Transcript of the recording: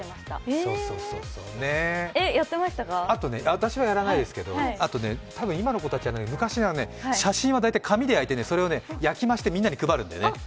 私はやらないですけど、多分、今の子はやらないけど昔は写真は大体紙に焼いて焼き増しでみんなに配るんだよね。